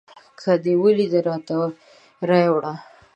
که دې ولیدی راته رایې وړه